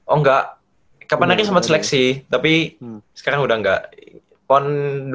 oh enggak kapan aja sempat seleksi tapi sekarang udah gak pon dua ribu dua